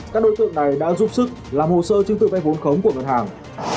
các đối tượng này đã giúp sức làm hồ sơ chứng tự vay vốn khống của ngân hàng